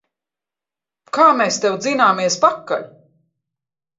Kā mēs tev dzināmies pakaļ!